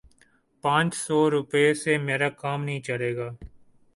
پانچ سو روپے سے میرا کام نہیں چلے گا